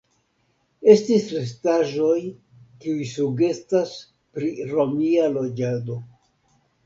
Estis restaĵoj kiuj sugestas pri romia loĝado.